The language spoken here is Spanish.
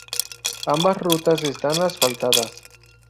Ambas rutas están asfaltadas.